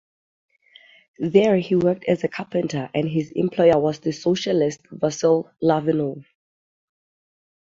There he worked as a carpenter and his employer was the socialist Vasil Glavinov.